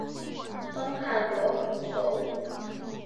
东汉罗侯。